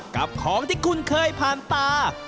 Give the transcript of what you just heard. กับของที่คุณเคยผ่านตา